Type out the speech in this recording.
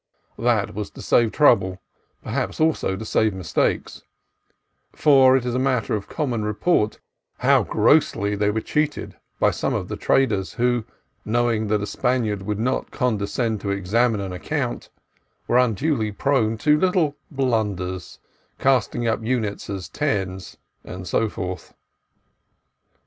That was to save trouble ; perhaps also to save mistakes ; for it is matter of common report how grossly they were cheated by some of the traders, who, knowing that a Spaniard would not condescend to examine an account, were unduly prone to little blunders, casting up units as tens, and so forth.